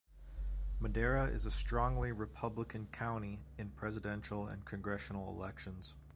Madera is a strongly Republican county in Presidential and congressional elections.